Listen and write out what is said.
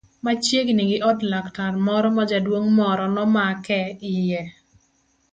Machiegni gi od laktar moro ma jaduong' moro nomake iye.